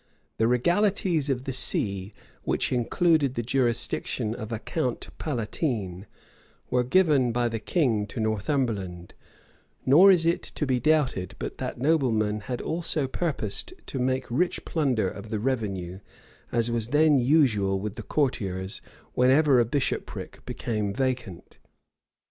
The regalities of the see, which included the jurisdiction of a count palatine, were given by the king to Northumberland; nor is it to be doubted but that noblemen had also purposed to make rich plunder of the revenue, as was then usual with the courtiers whenever a bishopric became vacant.